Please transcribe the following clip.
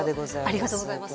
ありがとうございます。